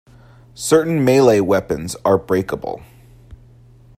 Certain melee weapons are breakable.